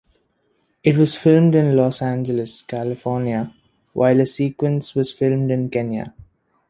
It was filmed in Los Angeles, California, while a sequence was filmed in Kenya.